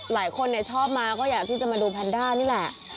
หลายคนชอบมาก็อยากที่จะมาดูแพนด้านี่แหละ